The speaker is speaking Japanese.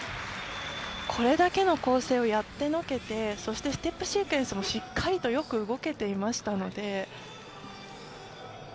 これだけの構成をやってのけてステップシークエンスもしっかりとよく動けていましたので。